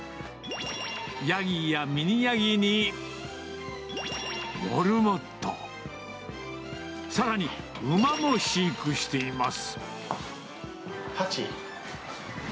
ヤギやミニヤギに、モルモット、さらに、馬も飼育しています。